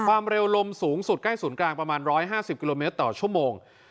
ความเร็วลมสูงสุดใกล้ศูนย์กลางประมาณ๑๕๐กิโลเมตรต่อชั่วโมง